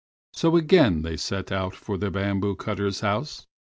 So again they set out for the bamboo cutter's house.